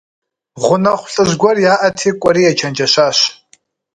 Гъунэгъу лӀыжь гуэр яӀэти, кӀуэри ечэнджэщащ.